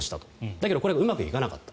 だけどこれうまくいかなかった。